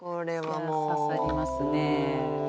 いや刺さりますね。